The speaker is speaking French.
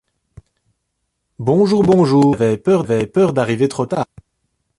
Bonjour, bonjour, j'avais peur d'arriver trop tard.